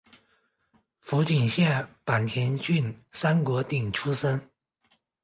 福井县坂井郡三国町出身。